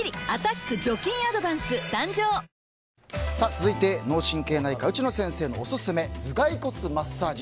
続いて、脳神経内科内野先生のオススメ頭蓋骨マッサージ。